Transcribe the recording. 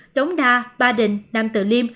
đống đa ba đình nam tự liêm